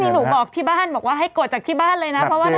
หนูบอกที่บ้านบอกว่าให้กดจากที่บ้านเลยนะ